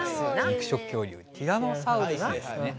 肉食恐竜ティラノサウルスですね。